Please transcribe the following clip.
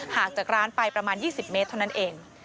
หากจากร้านไปประมาณ๒๐เมตรเท่านั้นเอง